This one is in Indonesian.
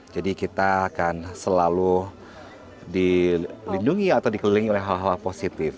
jadi kita akan selalu dilindungi atau dikelilingi oleh hal hal positif